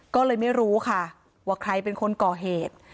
ก็เลยไม่รู้ค่ะว่าใครเป็นคนก่อเหตุ